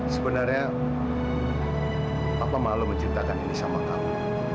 sebenarnya papa malu menciptakan ini sama kamu